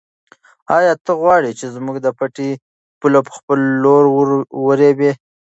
آیا ته غواړې چې زموږ د پټي پوله په خپل لور ورېبې؟